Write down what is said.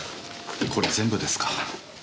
これ全部ですか。